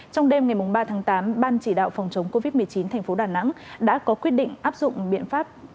trong đêm ngày ba tháng tám ban chỉ đạo phòng chống covid một mươi chín thành phố đà nẵng đã có quyết định áp dụng biện pháp